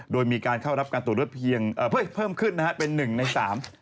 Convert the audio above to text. โดยมีการเข้ารับการตัวเลือดเพียงเพิ่มขึ้นเป็นหนึ่งในสาม